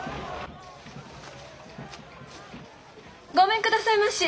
ごめん下さいまし。